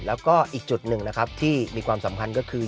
แล้วก็อีกจุดหนึ่งนะครับที่มีความสำคัญก็คือ